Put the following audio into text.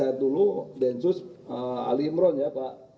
pada saat dulu densus ali imron ya pak